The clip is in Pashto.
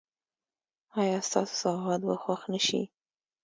ایا ستاسو سوغات به خوښ نه شي؟